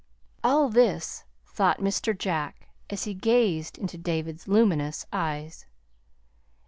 All this thought Mr. Jack as he gazed into David's luminous eyes.